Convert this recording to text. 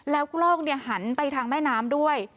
แล้วกล้องหันไปทางแม่น้ำด้วย